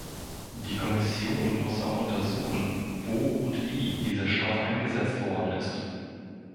Die Kommission muss auch untersuchen, wo und wie dieser Stoff eingesetzt worden ist.